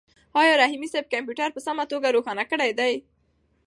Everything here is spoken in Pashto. آیا رحیمي صیب کمپیوټر په سمه توګه روښانه کړی دی؟